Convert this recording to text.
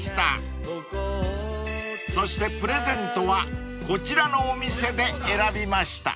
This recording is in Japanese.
［そしてプレゼントはこちらのお店で選びました］